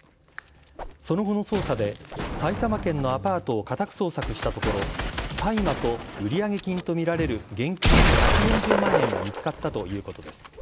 その後の捜査で、埼玉県のアパートを家宅捜索したところ、大麻と売上金と見られる現金１４０万円が見つかったということです。